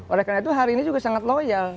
oleh karena itu hari ini juga sangat loyal